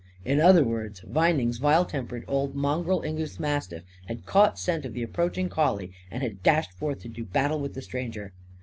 In other words, Vining's vile tempered old mongrel English mastiff had caught scent of the approaching collie and had dashed forth to do battle with the stranger.